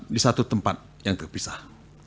di satu tempat yang terpisah